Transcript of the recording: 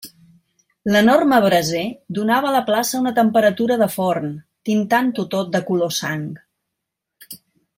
L'enorme braser donava a la plaça una temperatura de forn, tintant-ho tot de color sang.